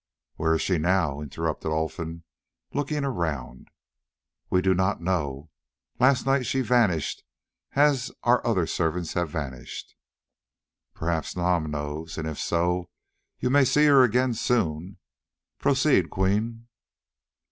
"Where is she now?" interrupted Olfan, looking round. "We do not know; last night she vanished as our other servants have vanished." "Perhaps Nam knows, and if so you may see her again soon. Proceed, Queen."